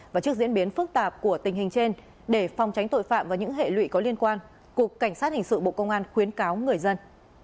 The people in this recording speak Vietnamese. và trước diễn biến phức tạp của tình hình trên để phòng tránh tội phạm và những hệ lụy có liên quan cục cảnh sát hình sự bộ công an khuyến cáo người dân